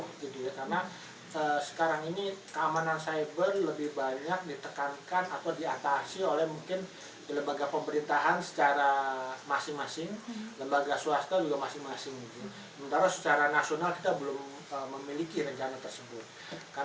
karena sekarang ini keamanan siber lebih banyak ditekankan atau diatasi oleh mungkin lembaga pemerintahan secara masing masing lembaga swasta juga masing masing